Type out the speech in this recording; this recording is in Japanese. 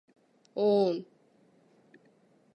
おーん